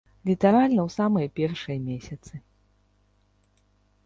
Літаральна ў самыя першыя месяцы.